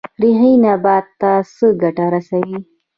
ریښې نبات ته څه ګټه رسوي؟